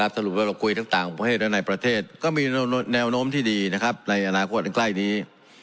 สรุปว่าเราคุยทั้งต่างประเทศและในประเทศก็มีแนวโน้มที่ดีในอนาคตอันใกล้นี้